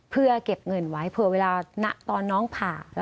เพื่อเก็บเงินไว้เผื่อเวลาตอนน้องผ่า